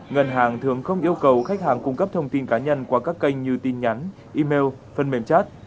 ngân hàng thường không yêu cầu khách hàng cung cấp thông tin cá nhân qua các kênh như tin nhắn email phần mềm chat